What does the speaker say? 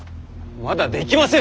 まだできませぬ！